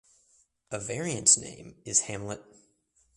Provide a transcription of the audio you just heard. A variant name is "Hamlet".